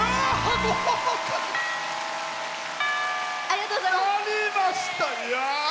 ありがとうございます！